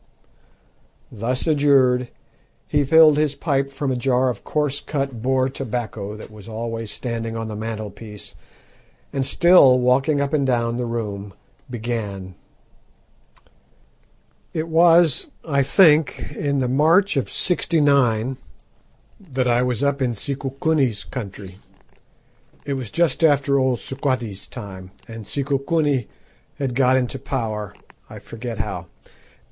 Thus adjured, he filled his pipe from a jar of coarse cut Boer tobacco that was always standing on the mantelpiece, and still walking up and down the room, began "It was, I think, in the March of '69 that I was up in Sikukuni's country. It was just after old Sequati's time, and Sikukuni had got into power I forget how.